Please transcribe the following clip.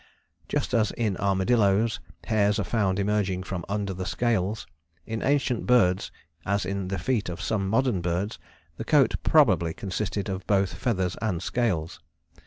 Just as in armadillos hairs are found emerging from under the scales, in ancient birds as in the feet of some modern birds the coat probably consisted of both feathers and scales.